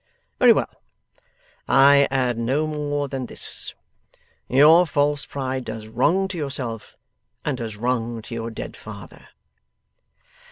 Very well. I add no more than this. Your false pride does wrong to yourself and does wrong to your dead father.